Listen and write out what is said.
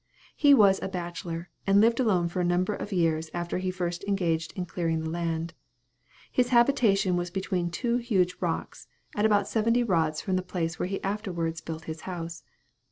He was a bachelor, and lived alone for a number of years after he first engaged in clearing his land. His habitation was between two huge rocks, at about seventy rods from the place where he afterwards built his house.